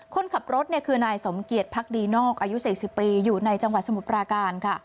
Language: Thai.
คนขับรถคือนายสมเกียจพักดีนอกอายุ๔๐ปีอยู่ในจังหวัดสมุทรปราการค่ะ